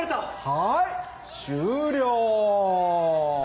はい終了。